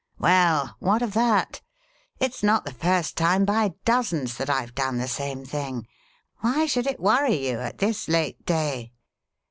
"Well, what of that? It's not the first time by dozens that I've done the same thing. Why should it worry you at this late day?